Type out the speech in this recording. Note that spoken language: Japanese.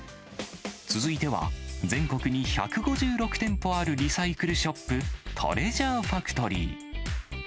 続いては、全国に１５６店舗あるリサイクルショップ、トレジャーファクトリー。